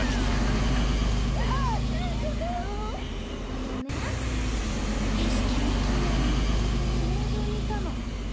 あのね景色のキレイな高原の農場にいたの。